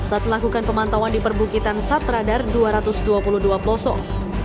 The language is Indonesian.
saat melakukan pemantauan di perbukitan satradar dua ratus dua puluh dua pelosok